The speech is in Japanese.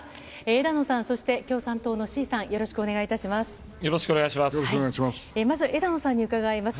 枝野さん、そして、共産党の志位さん、よろしくお願いいたします。